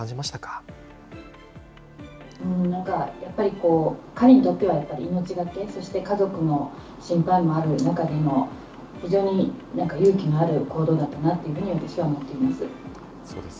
なんかやっぱり、彼にとっては命懸け、そして家族の心配もある中での、非常に勇気のある行動だったなというふうに私は思っています。